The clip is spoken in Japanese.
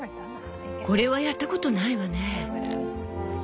これはやったことないわね。